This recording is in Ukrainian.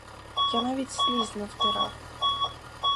Я навіть сліз не втирав.